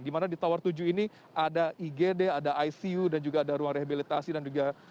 dimana di tower tujuh ini ada igd ada icu dan juga ada ruang rehabilitasi dan juga